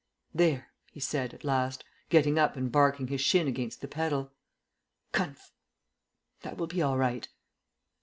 "There," he said at last, getting up and barking his shin against the pedal. "Conf That will be all right."